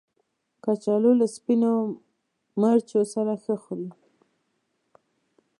کچالو له سپینو مرچو سره ښه خوري